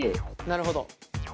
なるほど。